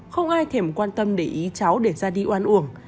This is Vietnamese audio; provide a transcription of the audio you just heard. không ai thỉm quan tâm để ý cháu để ra đi oan uổng